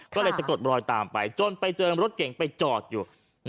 ก็เลยสะกดรอยตามไปจนไปเจอรถเก่งไปจอดอยู่